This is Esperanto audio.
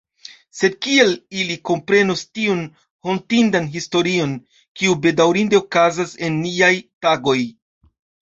Sed kiel ili komprenus tiun hontindan historion, kiu bedaŭrinde okazas en niaj tagoj?